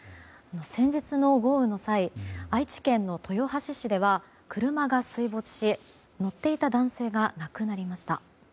先日の豪雨の際愛知県の豊橋市では車が水没し、乗っていた男性が亡くなりました。